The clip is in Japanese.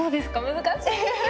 難しい！